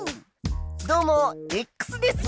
どうもです！